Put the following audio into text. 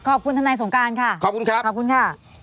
ทนายสงการค่ะขอบคุณครับขอบคุณค่ะ